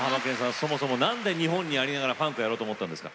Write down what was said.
そもそもなんで日本にありながらファンクやろうと思ったんですか？